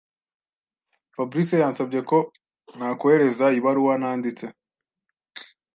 Fabrice yansabye ko ntakohereza ibaruwa nanditse.